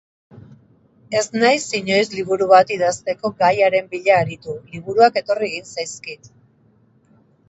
Ez naiz inoiz liburu bat idazteko gaiaren bila aritu, liburuak etorri egin zaizkit.